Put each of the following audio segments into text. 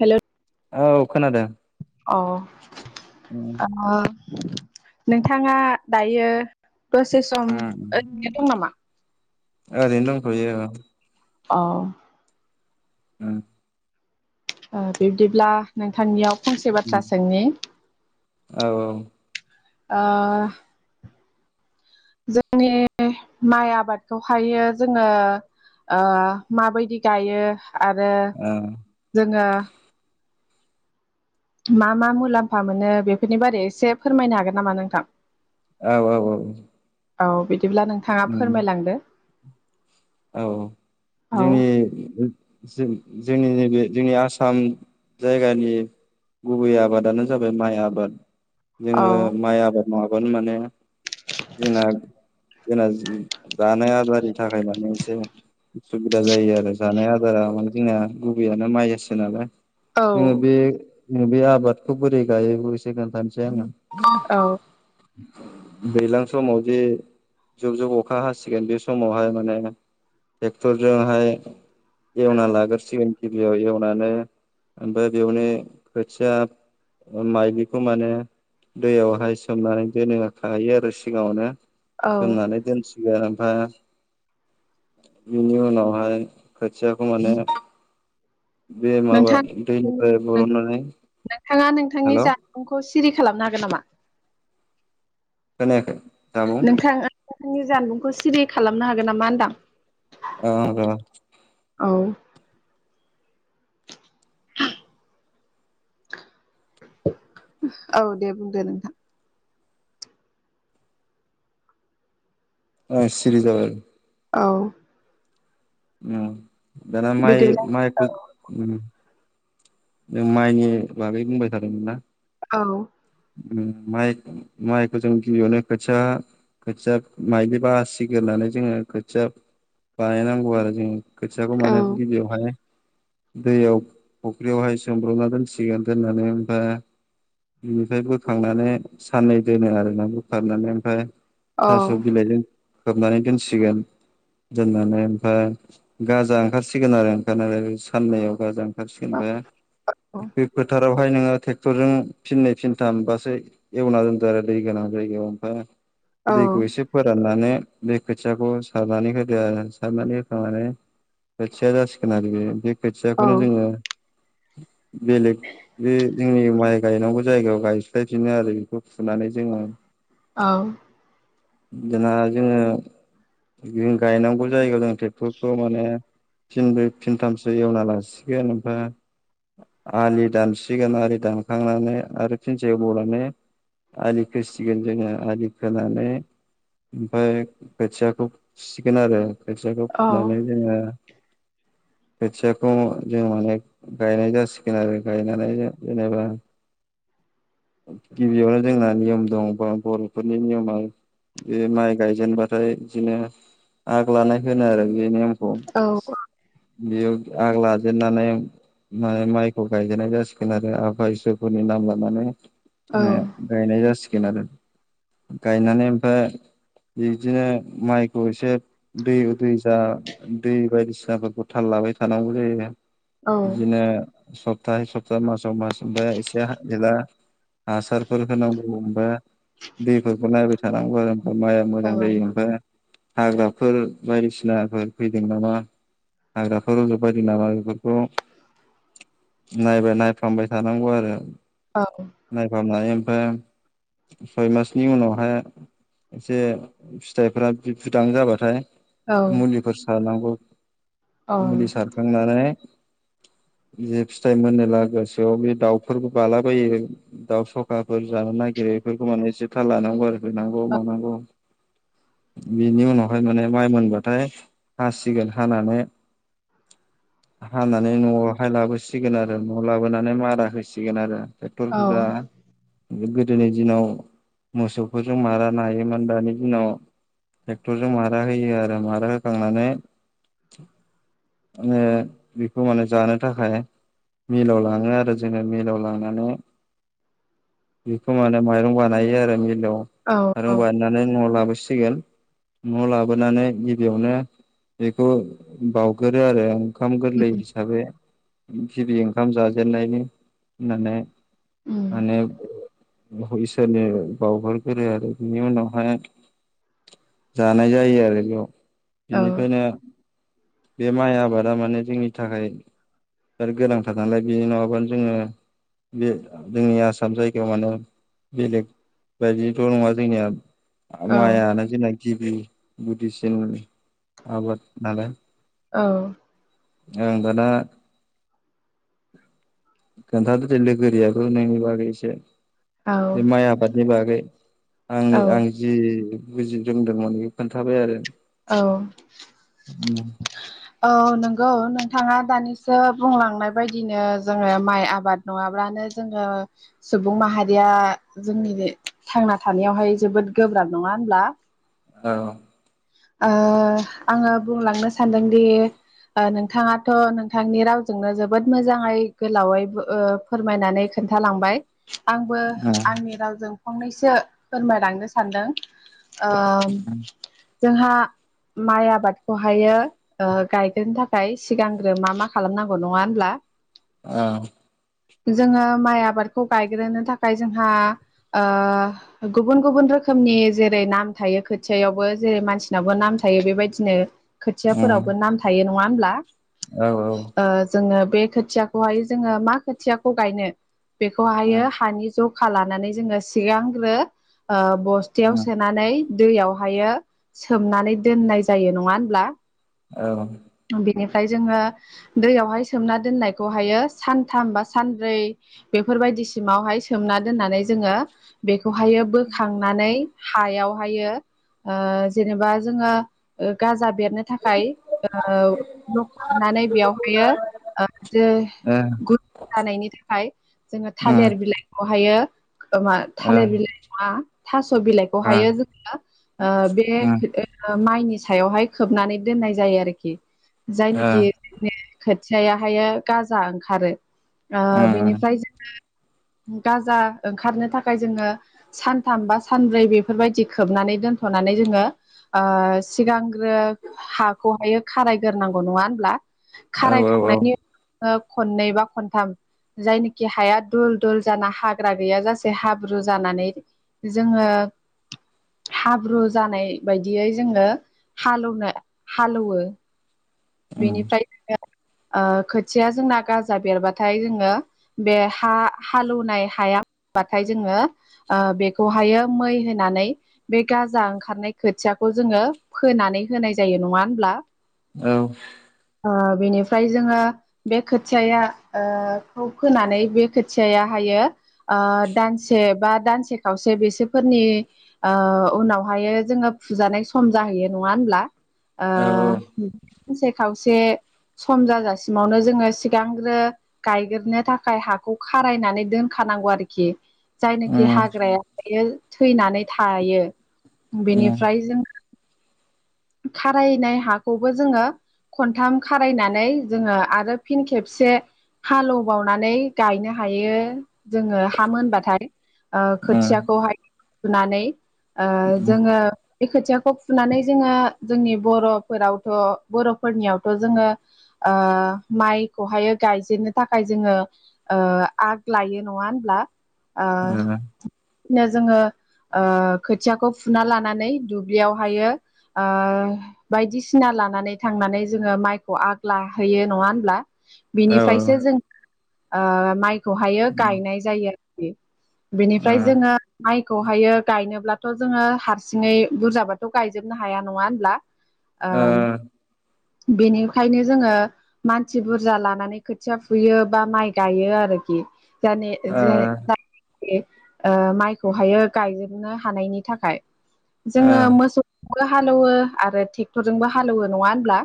Hello. औ खोनादों । औ आ हो । नोंथाङा दायो दसे सम उम ओरैनो दं नामा? ओरैनो दंथयो ओं । औ । उम । बिब्दिब्ला नोंथांनियाव फंसे उम बाथ्रा सोंनि औ ओ । जोंनि माइ आबादखौहायो जोङो । ओ माबायदि गायो आरो जोङो । मा मा मुलाम्फा मोनो बेफोरनि बारै एसे फोरमायनो हागोन नामा नोंथां? औ औ औ । औ बिदिब्ला नोंथाङा फोरमायलांदो । औ जोंनि जो । जोंनि नैबे जोंनि आसाम जायगानि । गुबै आबादानो जाबाय माइ आबाद औ जोङो माइ आबाद नंआबा । माने जोंना जोंना जानाय आदारनि थाखाय माने एसे उसुबिदा जायो आरो जानाय आदारा मे जोंना गुबैयानो माइयासो नालाय औ जोङो बे बे आबादखौ बोरै गायोबोसे खोनथानोसै आङो औ [inaudible] दैलां समाव जे जुब जुब अखा हासिगोन बे समावहाय माने ट्रेक्टर जों हाय । एवना लाग्रोसिगोन गिबियाव एवनानै ओमफ्राय बेवनो खोथिया माइलिखौ माने दैयावहाय सोमनानै दोनो खायो आरो सिगाङावनो। औ सोमनानै दोनसिगोन ओमफाय बेनि उनावहाय खोथियाखौ माने बे माबा नोंथां दैनिफ्राय नों बरनानै नोंथाङा नोंथांनि हेल' जानबुंखौ सिरि खालामनो हागोन नामा? खोनायाखै । नोंथाङा नोंथांनि जानबुंखौ सिरि खालामनो हागोन नामा होनदां । ओ र' औ । औ दे बुंदो नोंथां ओ सिरि जाबाय । औ । उम माय बिदिब्ला मायखो नों माइनि बागै बुंबाय थादोंमोन औ उ माइ माइखौ जों गिबियावनो खोथिया खोथिया माइलि बासिग्रानै जोङो खोथिया बानायनांगौ आरो जों खोथियाखौ मोने गिबियावहाय दैयाव फुख्रियावहाय सोमब्रबना दोनसिगोन दोननानै ओमफ्राय। बिनिफ्राय बोखांनानै साननै दोनो आरोना बोखारनानै ओमफ्राय। औ थास बिलाइजों खोबनानै दोनसिगोन दोननानै ओमफ्राय गाजा ओंखारसिगोन आरो ओंखारनानै साननैयाव गाजा ओंखारो सिगोनबाय बे फोथारावहाय नोङो ट्रेक्टरजों फिनै फिनथाम बा सोय एवना दोनदो आरो दै गोनां जायगायाव हा औ दैखौ एसे फोराननानै। बे खोथियाखौ सारनानै होदो आरो सारनानै होखांनानै। खोथिया जासिगोन आरो बे बे औ खोथियाखौनो जोङो। बेलेग बे जोंनि माइ गायनांगौ जायगायाव गायस्लायफिनो आरो बेखौ। सुनानै जोङो औ जा जोङो। जों गायनांगौ जायगा जों ट्रेक्टरखौ माने फिनबो फिनथामसो एवना लासिगोन ओमफ्राय। आलि दानसिगोन आलि दानखांनानै आरो फिनसे एबावनानै। आलि फोसिगोन जोङो आलि खोनानै। ओमफ्राय खोथियाखौ फुसिगोन आरो खोथियाखौ औ फुनानै औ जोङो। [inaudible] खोथियाखौ जों माने गायनाय जासिगोन आरो गायनानै जेनेबा गिबियावनो जोंना नियम दं बर'फोरनि नियमा। बे माइ गायजेनबाथाय बिदिनो आग लानाय होनो आरो बेनो। औ औ बेयो आग लाजेननानै मे माइखौ गायजेननाय जासिगोन आरो आफा इसोरफोरनि नाम लानानै। माइ गायनाय जासिगोन आरो गायनानै ओमफ्राय। बिदिनो माइखौ एसे दै उदै जा दै बायदिसिनाफोरखौ थाल ला बाय थानांगौ जायो। बिदिनो सप्ताहै सप्ताह मासाव मास ओमफ्राय एसे गैला। हासारफोर होनांगौ होनबा दैफोरखौ नायबाय थानांगौ आरो। माइआ मोजां जायो ओमफ्राय हाग्राफोर बायदिसिनाफोर फैदों नामा। हाग्राखौ रज'बायदि नामा बेफोरखौ। नायबाय नायफामबाय थानांगौ आरो। औ नायफामनाय ओमफ्राय। सय मासनि उनावहाय एसे फिथाइफ्रा फि-बुदां जाबाथाय मुलिफोर सारनांगौ। मुलि सारखांनानै। बे फिथाइ मोनोब्ला गोसोआव बे दाउफोरबो बालाबायो। दाउ सखाफोर जानो नागिरो बेफोरखौ माने एसे थाल लानांगौ आरो होनांगौ मानांगौ। बिनि उनावहाय माने माइ मोनबाथाय हासिगोन हानानै। हानानै न'आवहाय लाबोसिगोन आरो न'आव लाबोनानै मारा होसिगोन आरो ट्राक्टर [unintelligible] दिनै दिनाव मोसौफोरजों मारा नायोमोन दानि दिनाव। ट्रेक्टरजों मारा होयो आरो मारा होखांनानै। माने बेखौ माने जानो थाखाय। मिलाव लाङो आरो जोङो मिलाव लांनानै। बेखौ माने माइरं बानायो आरो मिलआव औ माइरं औ बानायनानै न'आव लाबोसि सिगोन। न' लाबोनानै गिबियावनो बेखौ बावगोरो आरो। ओंखाम गोरलै हिसाबै गिबि ओंखाम जाजेननायनि होननानै। उम माने इसोरनि बावहरगोरो आरो बिनि उनावहाय। जानाय जायो आरो बेयाव औ बिनिफ्रायनो बे माइ आबादा माने जोंनि थाखाय आरो गोनांथार नालाय बे नङाबानो जोङो बे जोंनि आसाम जायगायाव माने बेलेग बायदिथ' नङा जोंनिया औ माइआनो जोंना गिबि गुदिसिन आबाद नालाय । औ ओं दाना खोन्थादो दे लोगोरियाबो नोंनि बागै एसे बे माइ आबादनि बागै आंनि औ आं जि बुजि रोंदोंमोन बेखौ खोन्थाबाय आरो । औ औ नोंगौ नोंथाङा दानिसो बुंलांनाय बायदिनो जोङो माइ आबाद नङाब्लानो जोङो सुबुं माहारिया जोंनि थांना थानायावहाय जोबोद गोब्राब नङा नङा होमब्ला । औ ओ आङो बुंलांनो सानदोंदि ओ नोंथाङाथ' नोंथांनि रावजोंनो जोबोद मोजाङै गोलावै बो ओ फोरमायनानै खोनन्थालांबाय । आंबो उम औ आंनि रावजों फंनैसो फोरमायलांनो सानदों । ओ जोंहा माइ आबादखौहायो गायग्रोनो थाखाय सिगांग्रो मा मा खालामनांगौ नङा होमब्ला । ओ जोङो माइ आबादखौ गायग्रोनो थाखाय जोंहा ओ गुबुन गुबुन रोखोमनि जेरै नाम थायो खोथियावबो जेरै मानसिनाबो नाम थायो बेबायदिनो उम खोथियाफोरावबो नाम थायो नङा होमब्ला । उम औ ओ ओ जोङो बे खोथियाखौहाय जोङो मा खोथियाखौ गायनो बेखौहायो हानि जखा लानानै जोङो सिगांग्रो ओ बस्थायाव सोनानै दैयावहायो सोमनानै दोननाय जायो नङा होमब्ला । औ फ्राय जोङो दैयावहाय सोमना दोननायखौहायो सानथाम बा सानब्रै बेफोरबायदि बायदिसिमावहाय सोमना दोननानै जोङो बे खौहायो बोखांनानै हायावहायो ओ जेनेबा जोङो गाजा बेरनो थाखाय ओ ल'खमनानै बेयावहायो ओ गुथ जानायनि थाखाय जोङो थालिर बिलाइखौहायो ओ मा थालिर बिलाइ नङा थास' बिलाइखौहायो जोङो ओ बे ओ माइनि सायावहाय खोबनानै दोननाय जायो आरोखि । जायनोखि जोंनि खोथियाहायो गाजा ओंखारो ओ बिनिफ्राय जोङो [unintelligible] गाजा ओंखारनो थाखाय जोङो सानथाम बा सानब्रै बेफोरबायदि खोबनानै दोनथ' थनानै जोङो ओ सिगांग्रो हाखौहायो खारायग्रोनांगौ नङा होमब्ला । खारायखांनायनि ओ खननै बा खनथाम जायनोखि हाया दुल दुल जाना हाग्रा गैया जासे हाब्रु जानानै जोङो हाब्रु ब्रु जानाय बायदियै जोङो हालौनो हालौवो । उम बेनिफ्राय ओ खोथिया जोंना गाजा बेरबाथाय जोङो बे हा हालेवनाय हाया बाथाय जोङो बेखौहायो मै होनानै बे गाजा ओंखारनाय खो खोथियाखौ जोङो फोनानै होनाय जायो नङा होमब्ला? औ । ओ बेनिफ्राय जोङो बे खोथियाया ओ खौ फोनानै बे खोथियाया हायो । यो दानसे बा दानसे खावसे बेसोरफोरनि उनावहाय जोङो फुजानाय सम जाहैयो नङा होमब्ला ओ । सानसे खावसे सम जाजासिमावनो जोङो सिगांग्रो गायग्रोनो थाखाय हाखौ खारायनानै दोनखा नांगौ आरोखि । उम जायनाखि हाग्रायायो थैनानै थायो ओ उम बेनिफ्राय जों खारायनाय हाखौबो जोङो खनथाम खारायनानै जोङो आरो फिन खेबसे हालौबावनानै गायनो हायो जोङो हा मोनबाथाय । ओ खोथियाखौहाय थुनानै ओ जोङो बे खोथियाखौ फुनानै जोङो जोंनि बर'फोरावथ' बर'फोरनियावथ' जोङो ओ माइखौहाय गायजेननो थाखाय जोङो ओ आग लायो नङा होनब्ला ओ बिदिनो जोङो ओ खोथियाखौ फुना लानानै दुब्लियावहायो ओ बायदिसिना लानानै थांनानै जोङो माइखौ आग्लाहयो नङा होमब्ला? औ औ बिनिफ्रायसो जों ओ माइखौहायो उम गायनाय जायो आरोखि बेनि फ्राय जोङो माइखौहायो गायनोब्लाथ' जोङो हारसिङै बुरजाबाथ' गायजोबनो हाया नङा होनब्ला ओ औ उम औ उम बेनिखायनो जोङो मानसि बुरजा लानानै खोथिया फुयो बा माइ गायो आरो ओ ओ । [unintelligible] ओ माइखौहायो गायजोबनो हानायनि थाखाय जोङो मोसौ जोंबो हालेवो आरो ट्रेक्टरजोंबो हालेवो नङा होनब्ला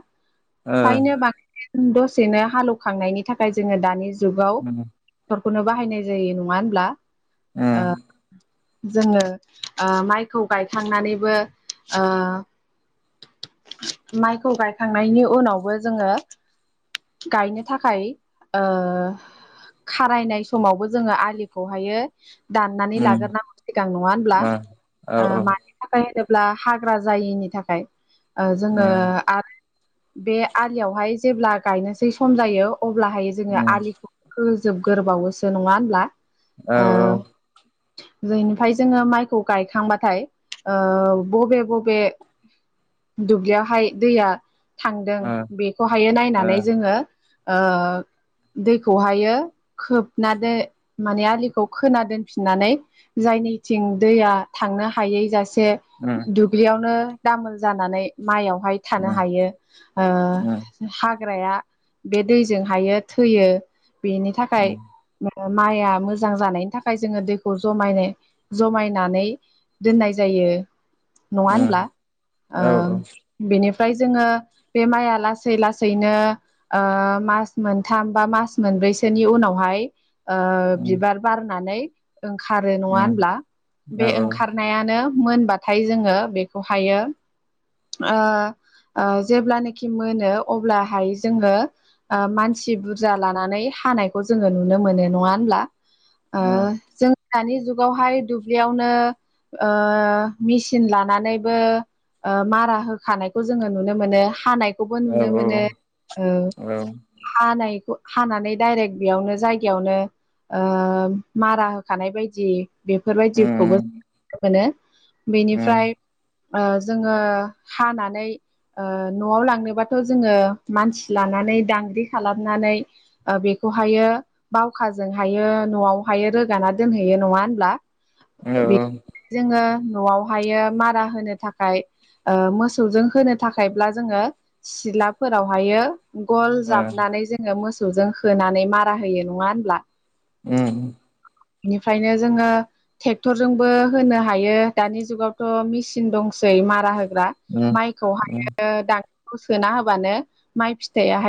ओ फ्रायनो बांसिन दसेनो हालौखांनायनि थाखाय जोङो दानि जुगाव उम ट्रेक्टरखौनो बाहायनाय जायो नङा होनब्ला उम ओ जोङो ओ माइखौ गायखांनानैबो ओ माइखौ गायखांनायनि उनावबो जोङो गायनो थाखाय ओ खारायनाय समावबो जोङो आलिखौहायो दाननानै उम लाग्रोनांगौ सिगां नङा होनब्ला, ओ औ ओ औ मानि थाखाय होनो ब्ला हाग्रा जायैनि थाखाय ओ जोङो उम बे आलियावहाय जेब्ला गायनोसै सम जायो अब्लाहाय जोङो उम आलिखौ खोहोजोब गोरबावोसो नङा होनब्ला? औ ओ औ । जोंनिफ्राय जोङो माइखौ गायखांबाथाय ओ बबे बबे दुब्लियावहाय दैया थांदों ओ बेखौहाय नायनानै जोङो ओ दैखौहायो खोबनानै माने आलि खौ खोना दोनफिननानै जायनिथिं दैया थांनो हायै जासे उम दुब्लियावनो दामोल जानानै माइयावहाय थानो हायो ओ उम हाग्राया बे दैजों हायो थैयो बेनि थाखाय उम माइआ मोजां मोजां जानायनि थाखाय जोङो दैखौ जाय जमायनानै दोननाय जायो । नङा होनब्ला उम ओ औ बेनिफ्राय ओमफ्राय जोङो बे माइआ लासै लासैनो ओ मास मोनथाम बा मास मोन मोनब्रैसोनि उनावहाय ओ उम बिबार बारनानै ओंखारो नङा उम होनब्ला औ बे उम ओंखारनायानो मोनबाथाय जोङो बेखौहायो ओ जेब्लानाखि मोनो अब्लाहाय जोङो ओ मानसि बुरजा लानानै हानायखौ जोङो नुनो मोनो नङा होनब्ला? ओ जों दानि जुगावहाय दुब्लियावनो ओ मेसिन लानानैबो ओ मारा होखानायखौ जोङो नुनो मोनो हानायखौबो औ नुनो मोनो औ हानायखौ हानानै डाइरेक्ट बेयावनो जायगायावनो ओ मारा होखानाय बायदि उम बेफोरबायदिखौबो औ मोनो बेनिफ्राय औ ओ जोङो हानानै ओ न'आव लांनोबाथ' जोङो मानसि लानानै दांग्रि खालामनानै ओ बे खौहायो बावखाजोंहायो न'आवहायो रोगाना दोनहैयो नङा होनब्ला? औ बे ओं। जोङो न'आवहायो मारा होनो थाखाय ओ मोसौजों होनो थाखायब्ला जोङो सिलाफोरावहायो गल जाबनानै जोङो मोसौजों होनानै मारा होयो नङा होनब्ला उम बेनिफ्रायनो जोङो ट्रेक्टर जोंबो होनो हायो दानि जुगावथ' मेसिन दंसै मारा होग्रा उम माइखौ उम दांग्रिखौ सोना होबानो माइ फिथायाहाय